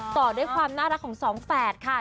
ต่อด้วยความน่ารักของสองแฝดค่ะ